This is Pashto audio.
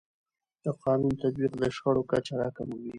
د قانون تطبیق د شخړو کچه راکموي.